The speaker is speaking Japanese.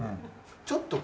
ちょっと。